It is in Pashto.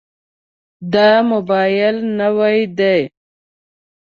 دا موبایل نوی دی.